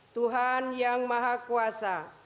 tuhan yang maha kuasa